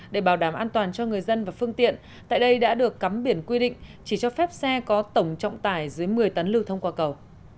để bảo đảm an toàn cho người dân và phương tiện tại đây đã được cắm biển quy định chỉ cho phép xe có tổng trọng tải dưới một mươi tấn lưu thông qua cầu